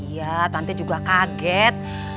iya tante juga kaget